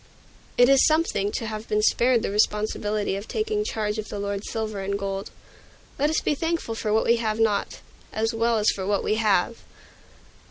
It is something to have been spared the responsibility of taking charge of the Lord's silver and gold. Let us be thankful for what we have not, as well as for what we have!